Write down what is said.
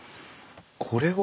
これは？